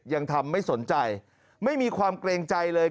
ยังทำไม่สนใจไม่มีความเกรงใจเลย